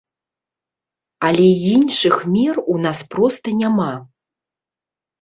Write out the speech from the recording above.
Але іншых мер у нас проста няма!